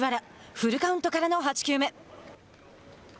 フルカウントからの８球目。